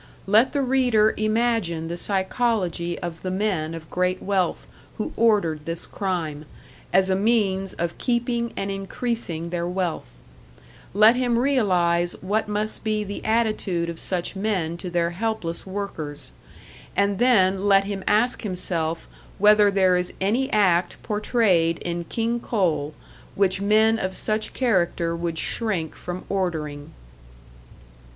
Let the reader imagine the psychology of the men of great wealth who ordered this crime, as a means of keeping and increasing their wealth; let him realise what must be the attitude of such men to their helpless workers; and then let him ask himself whether there is any act portrayed in "King Coal" which men of such character would shrink from ordering.